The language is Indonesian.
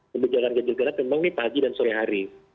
kebijakan ganjil genap memang ini pagi dan sore hari